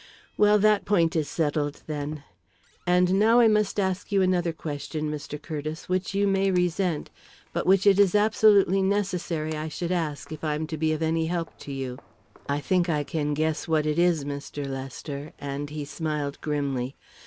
Well, that point is settled, then. And now I must ask you another question, Mr. Curtiss, which you may resent, but which it is absolutely necessary I should ask if I'm to be of any help to you." "I think I can guess what it is, Mr. Lester," and he smiled grimly.